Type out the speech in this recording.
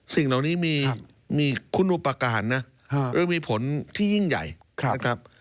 สิ่งเหล่านี้มีคุณอุปการณ์นะหรือมีผลที่ยิ่งใหญ่นะครับ